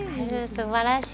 すばらしい。